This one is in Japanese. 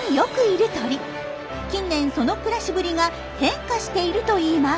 近年その暮らしぶりが変化しているといいます。